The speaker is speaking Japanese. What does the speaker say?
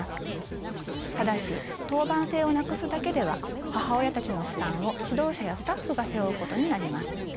ただし当番制をなくすだけでは母親たちの負担を指導者やスタッフが背負うことになります。